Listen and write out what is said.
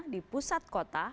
di pusat kota